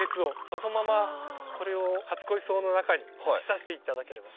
そのままこれを初恋草の中に突き刺して頂ければ。